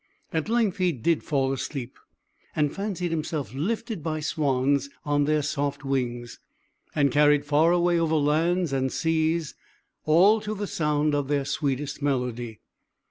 At length he did fall asleep and fancied himself lifted by swans on their soft wings, and carried far away over lands and seas, all to the sound of their sweetest melody.